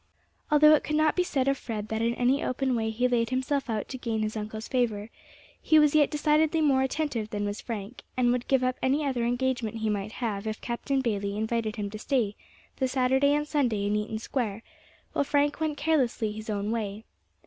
Although it could not be said of Fred that in any open way he laid himself out to gain his uncle's favour, he was yet decidedly more attentive than was Frank, and would give up any other engagement he might have if Captain Bayley invited him to stay the Saturday and Sunday in Eaton Square, while Frank went carelessly his own way.